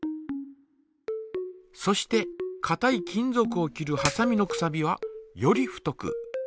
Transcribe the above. そしてかたい金ぞくを切るはさみのくさびはより太く。